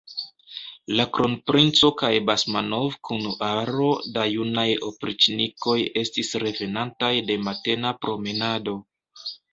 La kronprinco kaj Basmanov kun aro da junaj opriĉnikoj estis revenantaj de matena promenado.